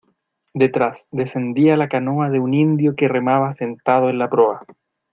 detrás, descendía la canoa de un indio que remaba sentado en la proa.